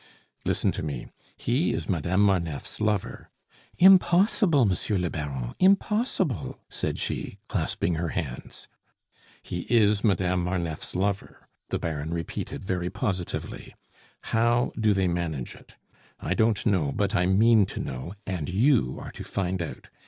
"Listen to me. He is Madame Marneffe's lover " "Impossible, Monsieur le Baron; impossible," said she, clasping her hands. "He is Madame Marneffe's lover," the Baron repeated very positively. "How do they manage it? I don't know; but I mean to know, and you are to find out.